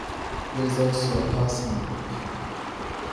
There is also a passing loop.